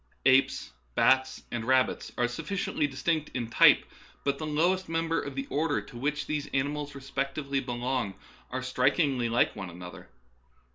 Apes, bats, and rabbits are sufficiently distinct in type, but the lowest members of the orders to which these animals respectively belong are strik ingly like one another.